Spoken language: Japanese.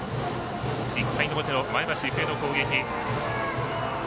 １回の表、前橋育英の攻撃。